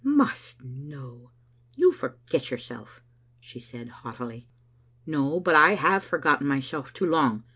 "Must know! You forget yourself," she said haughtily. " No, but I have forgotten myself too long.